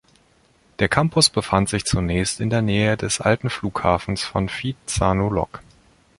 Der Campus befand sich zunächst in der Nähe des alten Flughafens von Phitsanulok.